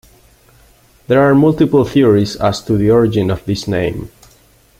There are multiple theories as to the origin of this name.